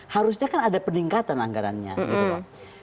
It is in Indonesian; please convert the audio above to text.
harusnya kan ada peningkatan anggarannya gitu loh